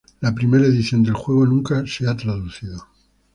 La primera edición del juego nunca ha sido traducida.